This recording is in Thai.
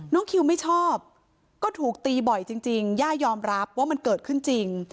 คิวไม่ชอบก็ถูกตีบ่อยจริงย่ายอมรับว่ามันเกิดขึ้นจริง